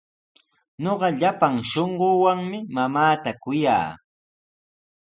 Ñuqa llapan shunquuwanmi mamaata kuyaa.